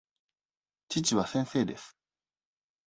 父は先生です。